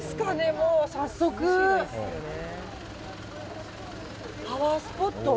もう早速、パワースポット。